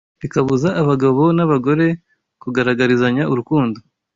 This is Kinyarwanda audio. bikabuza abagabo n’abagore kugaragarizanya urukundo